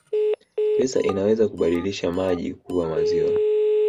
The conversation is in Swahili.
Pesa inaweza kubadilisha maji kuwa maziwa